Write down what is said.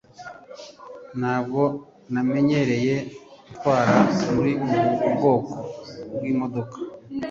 Ntabwo namenyereye gutwara muri ubu bwoko bwimodoka.